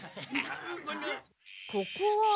ここは。